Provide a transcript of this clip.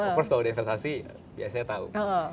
of course kalau udah investasi biasanya tahu